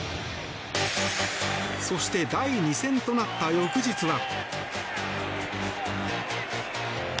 そして第２戦となった翌日は。